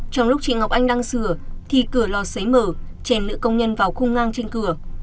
trong lúc chị ngọc anh đang sửa thì cửa lò xấy mở chèn nữ công nhân vào khung ngang trên cửa